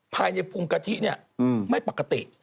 ภายในภูมิกะทินี่ไม่ปกติ